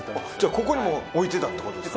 ここにも置いてたってことですね。